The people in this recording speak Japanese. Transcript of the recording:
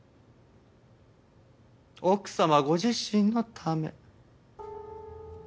奥様ご自身のため。